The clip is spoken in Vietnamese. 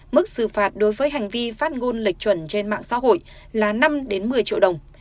mức xử phạt đối với hành vi phát ngôn lệch chuẩn trên mạng xã hội là năm một mươi triệu đồng